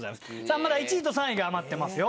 まだ１位と３位が余ってますよ。